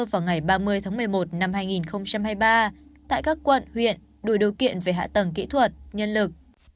vào ngày ba mươi tháng một mươi một năm hai nghìn hai mươi ba tại các quận huyện đủ điều kiện về hạ tầng kỹ thuật nhân lực